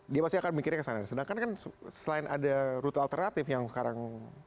dia pasti akan mikirnya kesana sedangkan kan selain ada rute alternatif yang sekarang